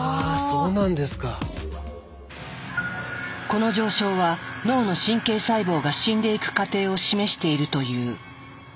この上昇は脳の神経細胞が死んでいく過程を示しているという。